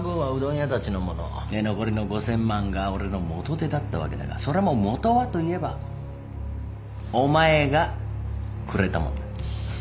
で残りの５，０００万が俺の元手だったわけだがそれも元はといえばお前がくれたもんだ。